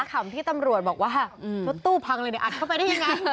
คำที่ตำรวจบอกว่ารถตู้พังเลยเนี่ยอัดเข้าไปได้ยังไง